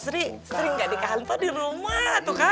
sering nggak di kantor di rumah tuh kan